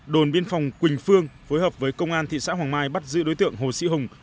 đồn biên phòng quỳnh phương phối hợp với công an thị xã hoàng mai bắt giữ đối tượng hồ sĩ hùng